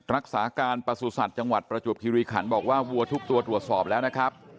รักษาการประสุทธิ์จังหวัดประจวบคิริขันบอกว่าวัวทุกตัวตรวจสอบแล้วนะครับ